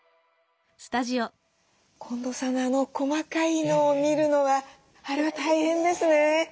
近藤さんのあの細かいのを見るのはあれは大変ですね。